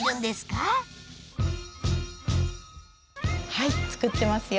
はい作ってますよ。